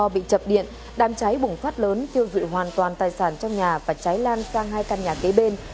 bị chập điện đám cháy bùng phát lớn tiêu dụy hoàn toàn tài sản trong nhà và cháy lan sang hai căn nhà kế bên